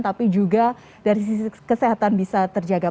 tapi juga dari sisi kesehatan bisa terjaga